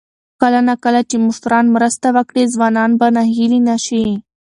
کله نا کله چې مشران مرسته وکړي، ځوانان به ناهیلي نه شي.